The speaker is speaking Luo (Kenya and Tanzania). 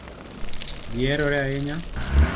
Gi herore ahinya